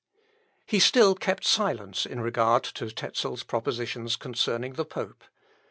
He still kept silence in regard to Tezel's propositions concerning the pope.